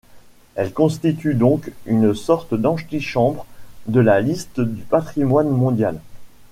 Elle constitue donc une sorte d'antichambre de la liste du patrimoine mondial.